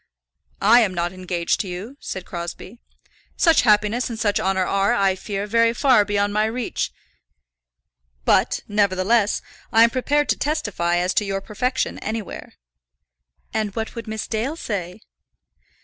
"I am not engaged to you," said Crosbie. "Such happiness and such honour are, I fear, very far beyond my reach. But, nevertheless, I am prepared to testify as to your perfection anywhere." "And what would Miss Dale say?"